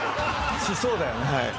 しそうだよね。